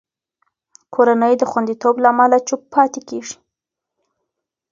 کورنۍ د خوندیتوب له امله چوپ پاتې کېږي.